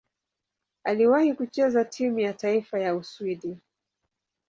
Aliwahi kucheza timu ya taifa ya Uswidi.